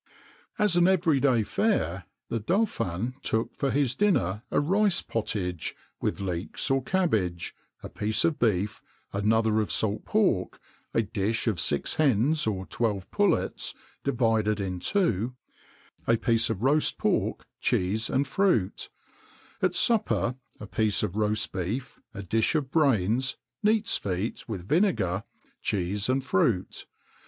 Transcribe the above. As an every day fare, the Dauphin took for his dinner a rice pottage, with leeks or cabbage, a piece of beef, another of salt pork, a dish of six hens or twelve pullets, divided in two, a piece of roast pork, cheese, and fruit; at supper, a piece of roast beef, a dish of brains, neat's feet, with vinegar, cheese and fruit.